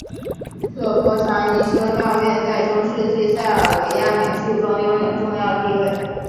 索泼查尼修道院在中世纪塞尔维亚美术中拥有重要地位。